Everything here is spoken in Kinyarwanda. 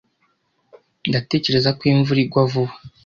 Ndatekereza ko imvura igwa vuba.